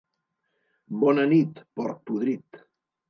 Bona nit, porc podrit!